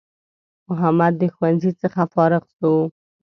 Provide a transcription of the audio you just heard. محمد د ښوونځی څخه فارغ سو